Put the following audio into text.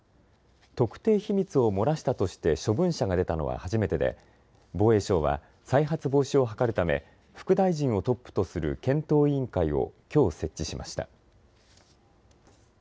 特定秘密を漏らしたとして処分者が出たのは初めてで防衛省は再発防止を図るため副大臣をトップとする検討委員会をきょう設置しました。